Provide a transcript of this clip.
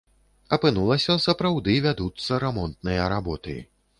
Апынулася, сапраўды вядуцца рамонтныя работы.